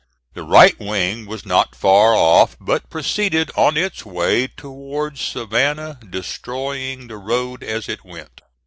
The right wing was not far off: but proceeded on its way towards Savannah destroying the road as it went.